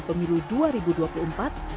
pemilu yang diundurkan menjadi dua belas april